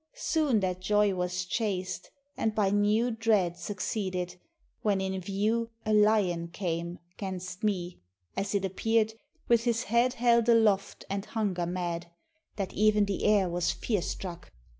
Soon that joy was chas'd, And by new dread succeeded, when in view A lion came, 'gainst me, as it appear'd, With his head held aloft and hunger mad, That e'en the air was fear struck.